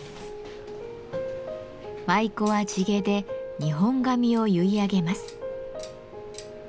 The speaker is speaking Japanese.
舞妓は地毛で日本髪を結い上げます。